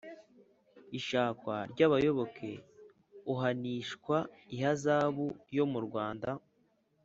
ishakwa ry abayoboke uhanishwa ihazabu yo mu rwanda